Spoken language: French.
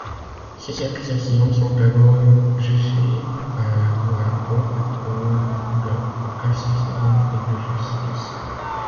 Ces accusations sont alors jugées par la Haute cour de cassation et de justice.